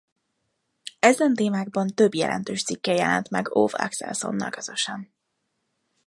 Ezen témákban több jelentős cikke jelent meg Owe Axelssonnal közösen.